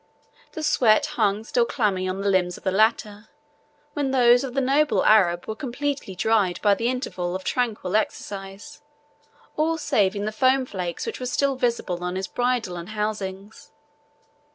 The sweat hung still clammy on the limbs of the latter, when those of the noble Arab were completely dried by the interval of tranquil exercise, all saving the foam flakes which were still visible on his bridle and housings.